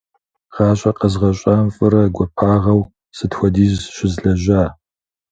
ГъащӀэ къэзгъэщӀам фӀырэ гуапагъэу сыт хуэдиз щызлэжьа?